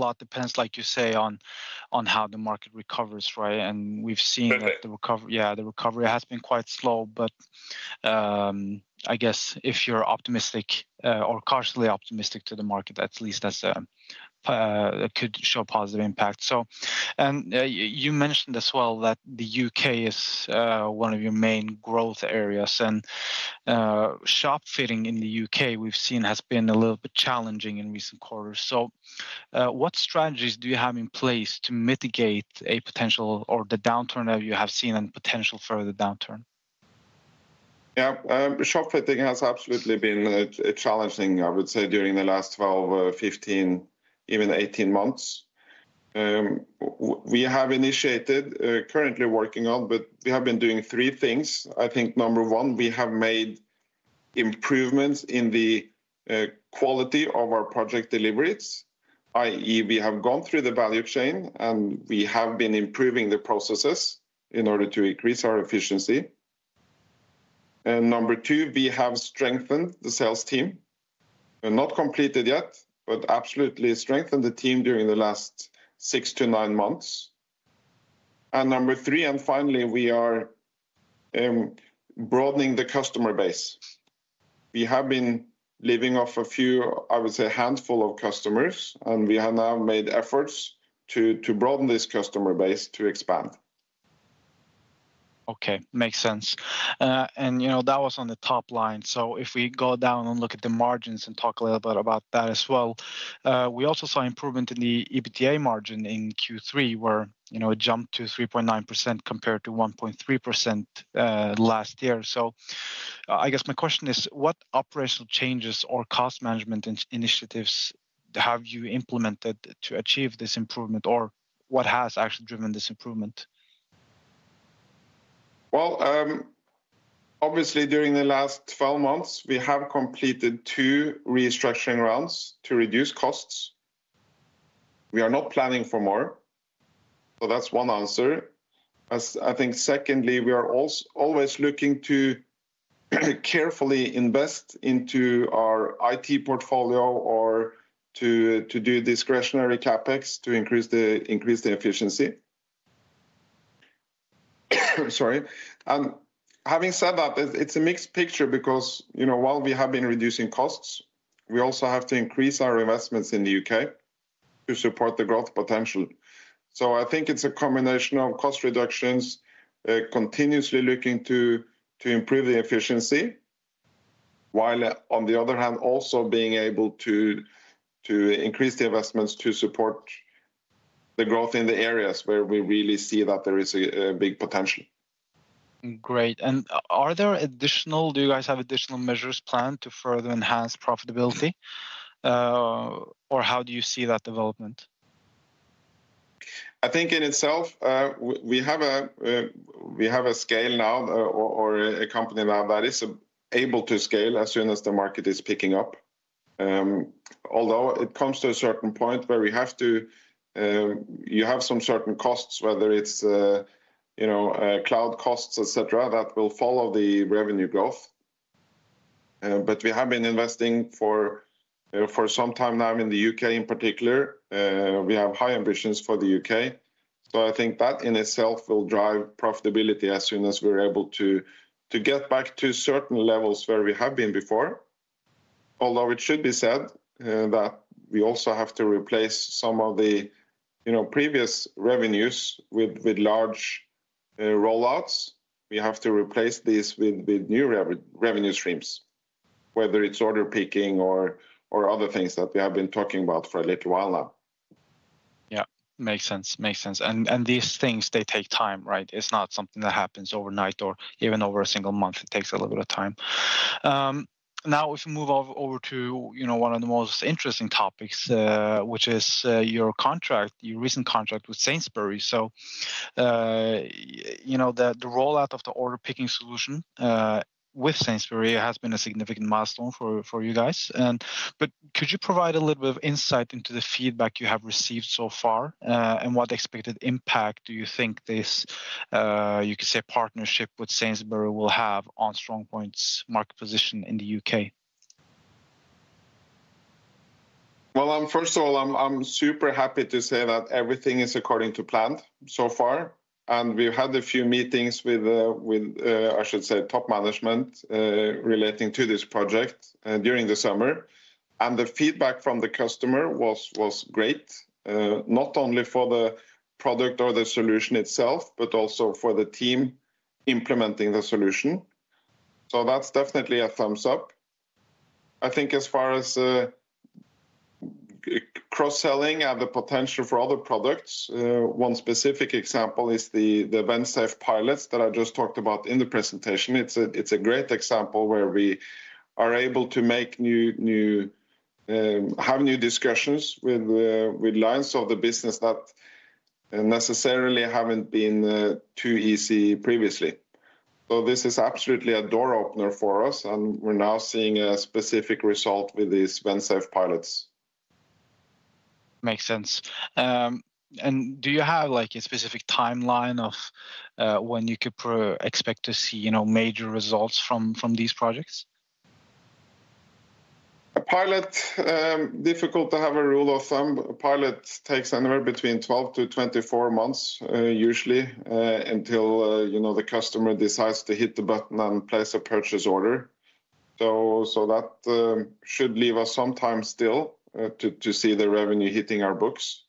A lot depends, like you say, on how the market recovers, right? And we've seen that the recovery, yeah, the recovery has been quite slow. But I guess if you're optimistic or partially optimistic to the market, at least that could show a positive impact. And you mentioned as well that the U.K. is one of your main growth areas. And shop fitting in the U.K., we've seen, has been a little bit challenging in recent quarters. So what strategies do you have in place to mitigate a potential or the downturn that you have seen and potential further downturn? Yeah, shop fitting has absolutely been challenging, I would say, during the last 12, 15, even 18 months. We have initiated, currently working on, but we have been doing three things. I think number one, we have made improvements in the quality of our project deliveries, i.e., we have gone through the value chain and we have been improving the processes in order to increase our efficiency, and number two, we have strengthened the sales team. Not completed yet, but absolutely strengthened the team during the last six to nine months, and number three, and finally, we are broadening the customer base. We have been living off a few, I would say, a handful of customers, and we have now made efforts to broaden this customer base to expand. Okay, makes sense. And that was on the top line. So if we go down and look at the margins and talk a little bit about that as well, we also saw improvement in the EBITDA margin in Q3, where it jumped to 3.9% compared to 1.3% last year. So I guess my question is, what operational changes or cost management initiatives have you implemented to achieve this improvement, or what has actually driven this improvement? Obviously, during the last 12 months, we have completed two restructuring rounds to reduce costs. We are not planning for more. That's one answer. I think secondly, we are always looking to carefully invest into our IT portfolio or to do discretionary CapEx to increase the efficiency. Sorry. Having said that, it's a mixed picture because while we have been reducing costs, we also have to increase our investments in the U.K. to support the growth potential. I think it's a combination of cost reductions, continuously looking to improve the efficiency, while on the other hand, also being able to increase the investments to support the growth in the areas where we really see that there is a big potential. Great. And are there additional, do you guys have additional measures planned to further enhance profitability, or how do you see that development? I think in itself, we have a scale now or a company now that is able to scale as soon as the market is picking up. Although it comes to a certain point where we have to, you have some certain costs, whether it's cloud costs, etc., that will follow the revenue growth. But we have been investing for some time now in the U.K. in particular. We have high ambitions for the U.K. So I think that in itself will drive profitability as soon as we're able to get back to certain levels where we have been before. Although it should be said that we also have to replace some of the previous revenues with large rollouts. We have to replace these with new revenue streams, whether it's order picking or other things that we have been talking about for a little while now. Yeah, makes sense. Makes sense and these things, they take time, right? It's not something that happens overnight or even over a single month. It takes a little bit of time. Now, if we move over to one of the most interesting topics, which is your contract, your recent contract with Sainsbury's, so the rollout of the order picking solution with Sainsbury's has been a significant milestone for you guys, but could you provide a little bit of insight into the feedback you have received so far and what expected impact do you think this, you could say, partnership with Sainsbury's will have on StrongPoint's market position in the U.K.? First of all, I'm super happy to say that everything is according to plan so far, and we've had a few meetings with, I should say, top management relating to this project during the summer, and the feedback from the customer was great, not only for the product or the solution itself, but also for the team implementing the solution. So that's definitely a thumbs up. I think as far as cross-selling, the potential for other products, one specific example is the Vensafe pilots that I just talked about in the presentation. It's a great example where we are able to have new discussions with lines of the business that necessarily haven't been too easy previously, so this is absolutely a door opener for us, and we're now seeing a specific result with these Vensafe pilots. Makes sense, and do you have a specific timeline of when you could expect to see major results from these projects? A pilot, difficult to have a rule of thumb, a pilot takes anywhere between 12 to 24 months, usually, until the customer decides to hit the button and place a purchase order, so that should leave us some time still to see the revenue hitting our books.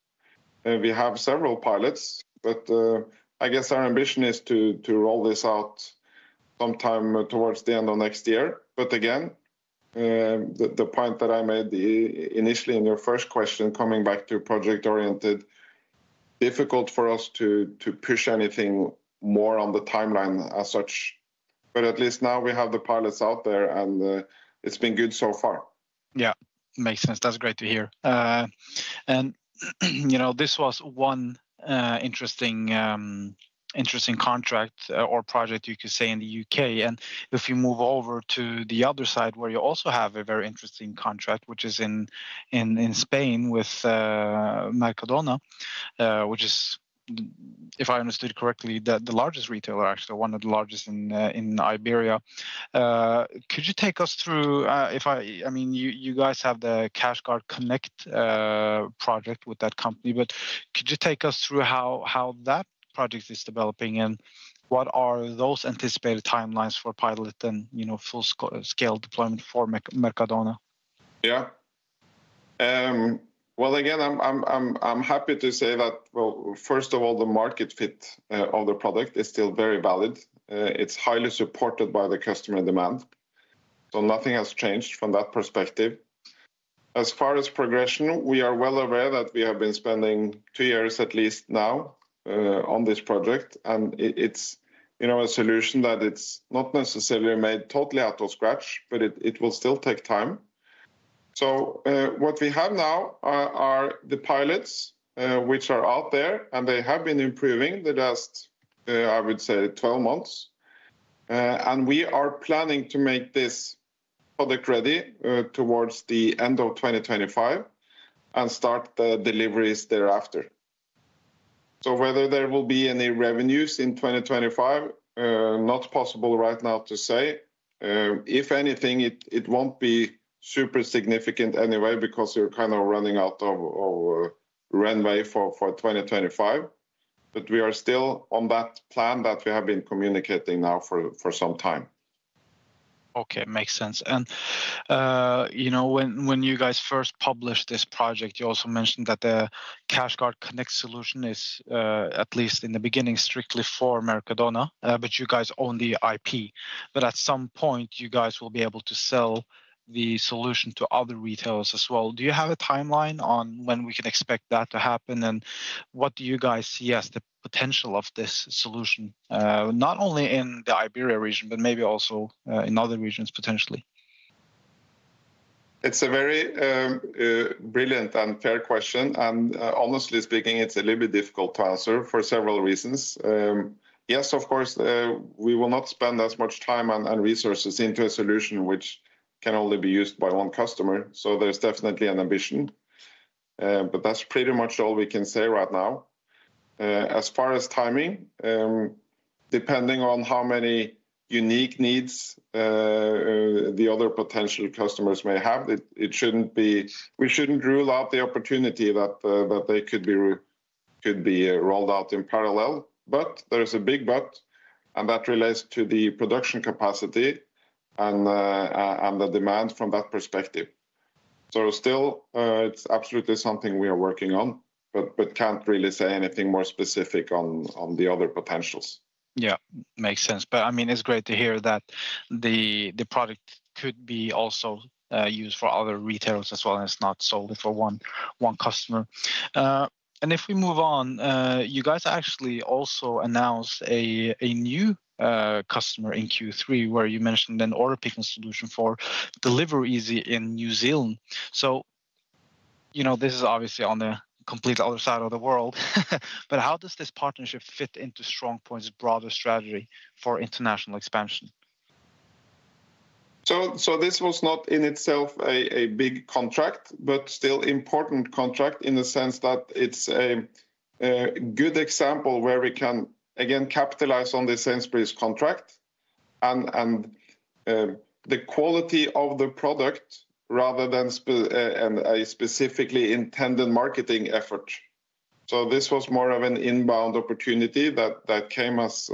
We have several pilots, but I guess our ambition is to roll this out sometime towards the end of next year, but again, the point that I made initially in your first question, coming back to project-oriented, difficult for us to push anything more on the timeline as such, but at least now we have the pilots out there, and it's been good so far. Yeah, makes sense. That's great to hear. And this was one interesting contract or project, you could say, in the U.K. And if you move over to the other side, where you also have a very interesting contract, which is in Spain with Mercadona, which is, if I understood correctly, the largest retailer, actually one of the largest in Iberia. Could you take us through, I mean, you guys have the CashGuard Connect project with that company. But could you take us through how that project is developing and what are those anticipated timelines for pilot and full-scale deployment for Mercadona? Yeah. Well, again, I'm happy to say that, first of all, the market fit of the product is still very valid. It's highly supported by the customer demand. So nothing has changed from that perspective. As far as progression, we are well aware that we have been spending two years at least now on this project. And it's a solution that it's not necessarily made totally out of scratch, but it will still take time. So what we have now are the pilots which are out there, and they have been improving the last, I would say, 12 months. And we are planning to make this product ready towards the end of 2025 and start the deliveries thereafter. So whether there will be any revenues in 2025, not possible right now to say. If anything, it won't be super significant anyway because we're kind of running out of runway for 2025, but we are still on that plan that we have been communicating now for some time. Okay, makes sense. And when you guys first published this project, you also mentioned that the CashGuard Connect solution is, at least in the beginning, strictly for Mercadona, but you guys own the IP. But at some point, you guys will be able to sell the solution to other retailers as well. Do you have a timeline on when we can expect that to happen? And what do you guys see as the potential of this solution, not only in the Iberia region, but maybe also in other regions potentially? It's a very brilliant and fair question. And honestly speaking, it's a little bit difficult to answer for several reasons. Yes, of course, we will not spend as much time and resources into a solution which can only be used by one customer. So there's definitely an ambition. But that's pretty much all we can say right now. As far as timing, depending on how many unique needs the other potential customers may have, we shouldn't rule out the opportunity that they could be rolled out in parallel. But there is a big but, and that relates to the production capacity and the demand from that perspective. So still, it's absolutely something we are working on, but can't really say anything more specific on the other potentials. Yeah, makes sense. But I mean, it's great to hear that the product could be also used for other retailers as well as not solely for one customer. And if we move on, you guys actually also announced a new customer in Q3, where you mentioned an order picking solution for Delivereasy in New Zealand. So this is obviously on the complete other side of the world. But how does this partnership fit into StrongPoint's broader strategy for international expansion? So this was not in itself a big contract, but still important contract in the sense that it's a good example where we can, again, capitalize on the Sainsbury's contract and the quality of the product rather than a specifically intended marketing effort. So this was more of an inbound opportunity that came as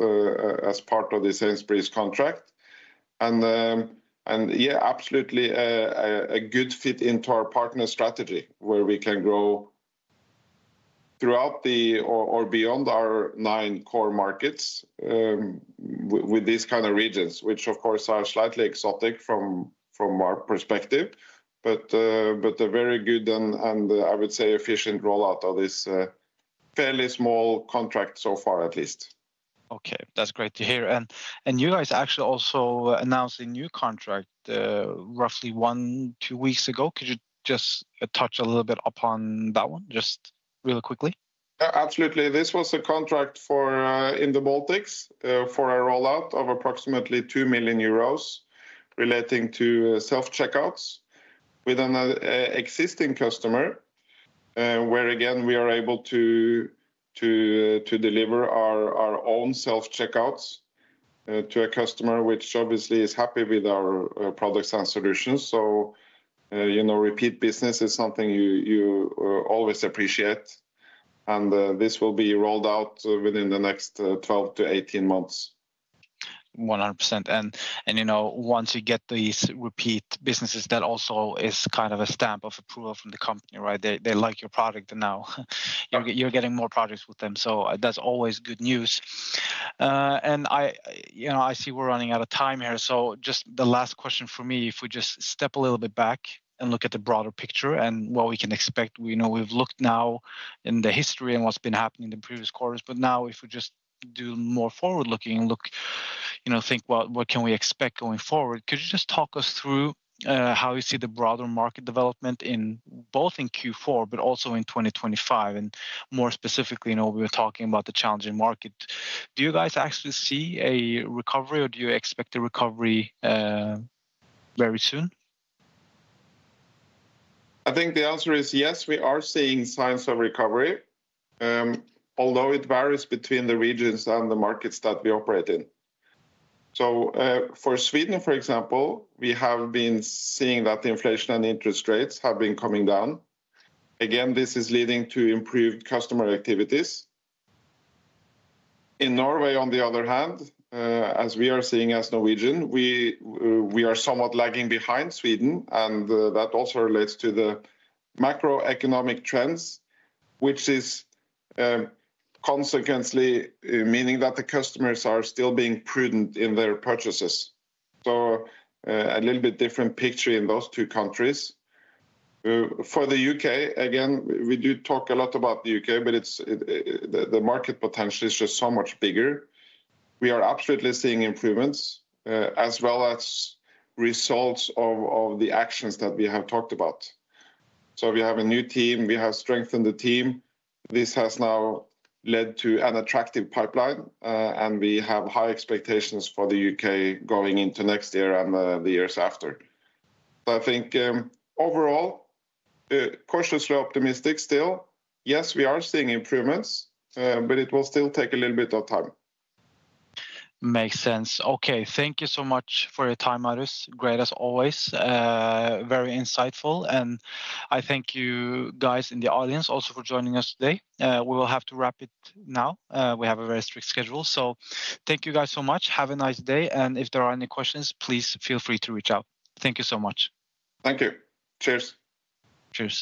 part of the Sainsbury's contract. And yeah, absolutely a good fit into our partner strategy, where we can grow throughout the or beyond our nine core markets with these kind of regions, which, of course, are slightly exotic from our perspective. But a very good and, I would say, efficient rollout of this fairly small contract so far, at least. Okay, that's great to hear. And you guys actually also announced a new contract roughly one or two weeks ago. Could you just touch a little bit upon that one just really quickly? Absolutely. This was a contract in the Baltics for a rollout of approximately 2 million euros relating to self-checkouts with an existing customer, where again, we are able to deliver our own self-checkouts to a customer which obviously is happy with our products and solutions. So repeat business is something you always appreciate. And this will be rolled out within the next 12 to 18 months. 100%. And once you get these repeat businesses, that also is kind of a stamp of approval from the company, right? They like your product now. You're getting more projects with them. So that's always good news. And I see we're running out of time here. So just the last question for me, if we just step a little bit back and look at the broader picture and what we can expect. We've looked now in the history and what's been happening in the previous quarters. But now, if we just do more forward-looking and think, well, what can we expect going forward? Could you just talk us through how you see the broader market development both in Q4, but also in 2025? And more specifically, we were talking about the challenging market. Do you guys actually see a recovery, or do you expect a recovery very soon? I think the answer is yes, we are seeing signs of recovery, although it varies between the regions and the markets that we operate in. So for Sweden, for example, we have been seeing that the inflation and interest rates have been coming down. Again, this is leading to improved customer activities. In Norway, on the other hand, as we are seeing as Norwegian, we are somewhat lagging behind Sweden. And that also relates to the macroeconomic trends, which is consequently meaning that the customers are still being prudent in their purchases. So a little bit different picture in those two countries. For the U.K., again, we do talk a lot about the U.K., but the market potential is just so much bigger. We are absolutely seeing improvements as well as results of the actions that we have talked about. So we have a new team. We have strengthened the team. This has now led to an attractive pipeline, and we have high expectations for the U.K. going into next year and the years after. So I think overall, cautiously optimistic still. Yes, we are seeing improvements, but it will still take a little bit of time. Makes sense. Okay, thank you so much for your time, Marius. Great as always. Very insightful, and I thank you guys in the audience also for joining us today. We will have to wrap it now. We have a very strict schedule. So thank you guys so much. Have a nice day, and if there are any questions, please feel free to reach out. Thank you so much. Thank you. Cheers. Cheers.